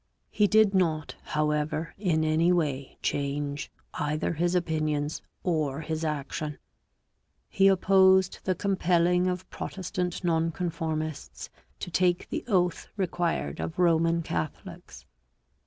He did not, however, in any way change either his opinions or his action. He opposed the compelling of Protestant Nonconformists to take the oath required of Roman Catholics.